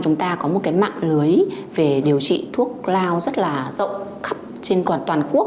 chúng ta có một cái mạng lưới về điều trị thuốc lao rất là rộng khắp trên toàn quốc